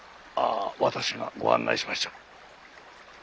ああ私がご案内しましょう。